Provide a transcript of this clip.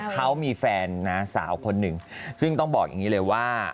เขามีแฟนนะสาวคนหนึ่งซึ่งต้องบอกอย่างนี้เลยว่า